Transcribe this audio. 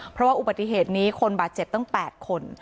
เพราะว่าอุบัติเหตุนี้คนบาดเจ็บตั้ง๘คน